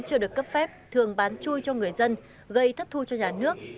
chưa được cấp phép thường bán chui cho người dân gây thất thu cho nhà nước